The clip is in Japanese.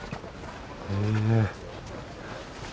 へえ。